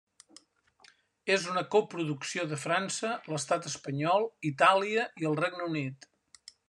És una coproducció de França, l'Estat Espanyol, Itàlia i el Regne Unit.